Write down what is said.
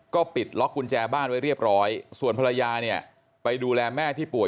ก็ปิดล็อกกุญแจบ้านไว้เรียบร้อยส่วนภรรยาเนี่ยไปดูแลแม่ที่ป่วย